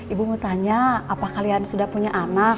ibu mau tanya apa kalian sudah punya anak